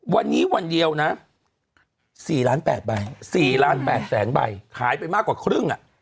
วันนี้วันเดียว๔ล้าน๘แสนใบขายไปมากกว่าครึ่ง